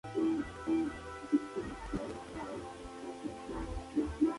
Aterrizan en Camerún, frente a la puerta de la valla fronteriza de Nigeria.